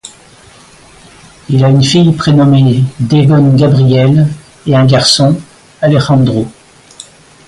Il a une fille prénommée Devon-Gabrielle et un garçon, Alejandro.